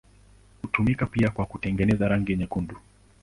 Hutumika pia kwa kutengeneza rangi nyekundu.